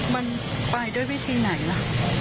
มันไปด้วยวิธีไหนล่ะ